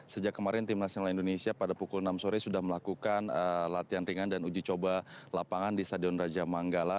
sejak kemarin tim nasional indonesia pada pukul enam sore sudah melakukan latihan ringan dan uji coba lapangan di stadion raja manggala